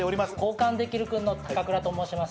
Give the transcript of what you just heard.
交換できるくんの高倉と申します。